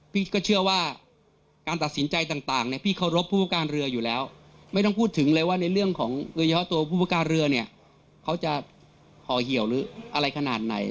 พี่ก็เชื่อว่าการตัดสินใจต่างเนี่ยพี่เคารพผู้ประการเรืออยู่แล้วไม่ต้องพูดถึงเลยว่าในเรื่องของโดยเฉพาะตัวผู้ประการเรือเนี่ยเขาจะห่อเหี่ยวหรืออะไรขนาดไหน